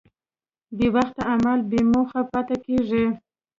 بېوخته عمل بېموخه پاتې کېږي.